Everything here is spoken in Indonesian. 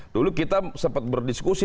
dulu kita sempat berdiskusi